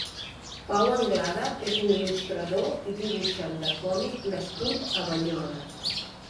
Pau Anglada és un iil·lustrador i dibuixant de còmic nascut a Banyoles.